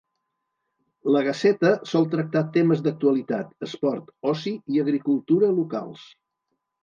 La "Gaceta" sol tractar temes d'actualitat, esport, oci i agricultura locals.